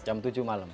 jam tujuh malam